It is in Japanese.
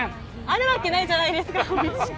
あるわけないじゃないですか。